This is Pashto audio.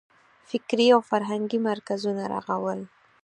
فکري او فرهنګي مرکزونه رغول.